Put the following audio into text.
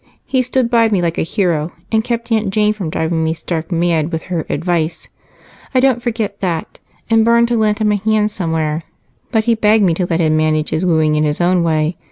He stood by me like a hero, and kept Aunt Jane from driving me stark mad with her 'advice.' I don't forget that, and burned to lend him a hand somewhere, but he begged me to let him manage his wooing in his own way.